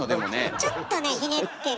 ちょっとねひねってる。